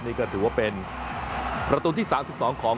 นี่ก็ถือว่าเป็นประตูที่สามสิบสองของ